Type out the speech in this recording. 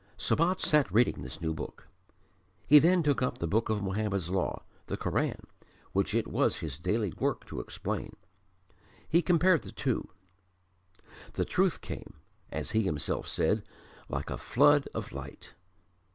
Sabat sat reading this New Book. He then took up the book of Mohammed's law the Koran which it was his daily work to explain. He compared the two. "The truth came" as he himself said "like a flood of light."